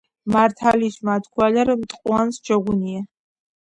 ართალიში მათქუალარი მტყუანს ჯოგჷნია